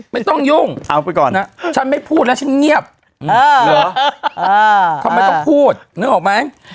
ไม่ต้องยุ่งฉันไม่พูดแล้วฉันเงียบเขาไม่ต้องพูดนึกออกไหม